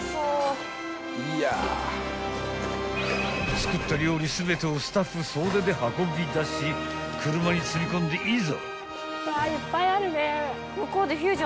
［作った料理全てをスタッフ総出で運び出し車に積み込んでいざ］